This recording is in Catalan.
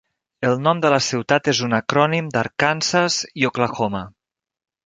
El nom de la ciutat és un acrònim d'Arkansas i Oklahoma.